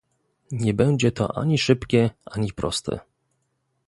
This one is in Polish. Nie będzie to ani szybkie ani proste